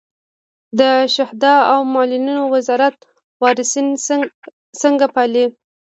د شهدا او معلولینو وزارت وارثین څنګه پالي؟